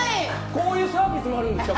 こういうサービスもあるんですか？